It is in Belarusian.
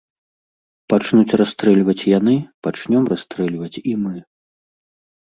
Пачнуць расстрэльваць яны, пачнём расстрэльваць і мы.